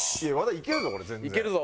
いけるぞ！